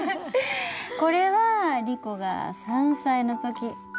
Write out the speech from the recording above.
これはリコが３歳の時。